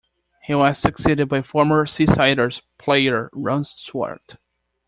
He was succeeded by former "Seasiders" player Ron Suart.